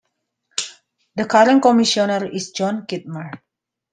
The current Commissioner is John Kittmer.